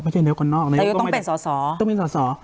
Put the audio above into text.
นายกว่าต้องเป็นสอ